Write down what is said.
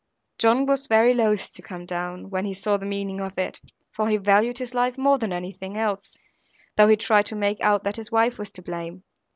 John was very loth to come down, when he saw the meaning of it; for he valued his life more than anything else; though he tried to make out that his wife was to blame.